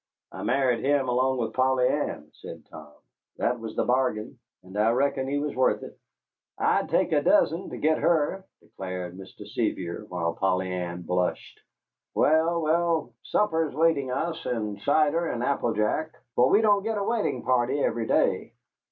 "I married him along with Polly Ann," said Tom. "That was the bargain, and I reckon he was worth it." "I'd take a dozen to get her," declared Mr. Sevier, while Polly Ann blushed. "Well, well, supper's waiting us, and cider and applejack, for we don't get a wedding party every day.